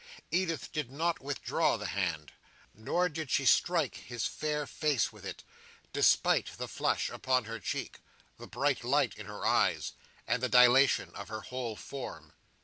Edith did not withdraw the hand, nor did she strike his fair face with it, despite the flush upon her cheek, the bright light in her eyes, and the dilation of her whole form.